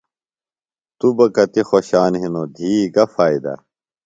توۡ بہ کتیۡ خوشان ہِنوۡ۔ دھی گہ فائدہ ؟